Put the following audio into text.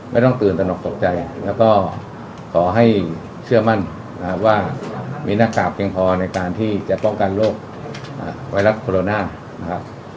ไม่ต้องตื่นตนกตกใจแล้วก็ขอให้เชื่อมั่นนะครับว่ามีหน้ากากเพียงพอในการที่จะป้องกันโรคไวรัสโคโรนานะครับ